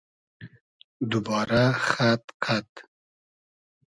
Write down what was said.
دوبارۂ خئد قئد